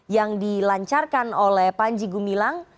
yang dilancarkan oleh panji gumilang